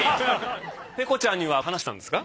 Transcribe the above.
ペコちゃんには話したんですか？